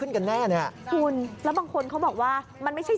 โอ้โฮชาวบ้านร้านตลาดเขามาม้าวน์ตก